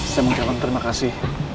saya mau ucapkan terima kasih